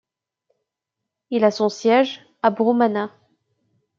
Il a son siège à Broummana.